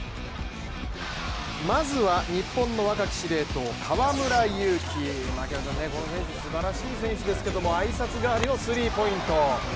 まずは日本の若き司令塔河村勇輝、この選手すばらしい選手ですけれども、挨拶代わりのスリーポイント。